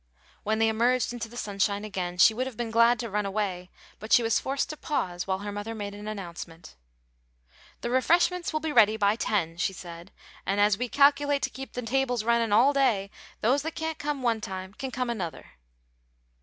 When they emerged into the sunshine again, she would have been glad to run away, but she was forced to pause while her mother made an announcement. "The refreshments will be ready by ten," she said, "and as we calculate to keep the tables runnin' all day, those that can't come one time can come another."